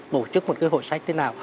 tổ chức một cái hội sách thế nào